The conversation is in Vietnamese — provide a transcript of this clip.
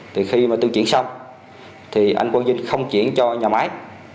thì khi mà tôi chuyển xong thì anh quang dinh không chuyển cho nhà máy